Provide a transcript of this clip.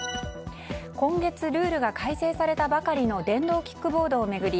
今月ルールが改正されたばかりの電動キックボードを巡り